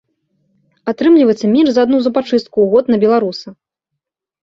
Атрымліваецца менш за адну зубачыстку ў год на беларуса!